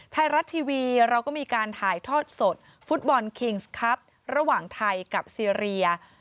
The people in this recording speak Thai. ไทยรัฐทีวีเราก็มีการถ่ายทอดสดฟุตบอลคิงส์ครับระหว่างไทยกับซีเรีย